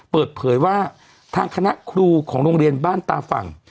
เปิดเผยว่าทางคณะครูของโรงเรียนบ้านตาฝั่ง